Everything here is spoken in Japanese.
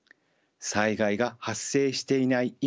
災害が発生していない